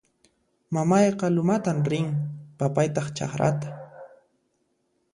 Mamayqa lumatan rin; papaytaq chakrata